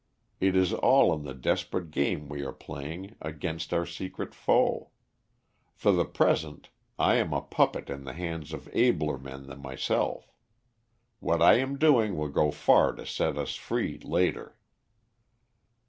It is all in the desperate game we are playing against our secret foe. For the present I am a puppet in the hands of abler men than myself. What I am doing will go far to set us free later."